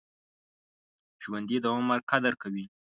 ژوندي د عمر قدر کوي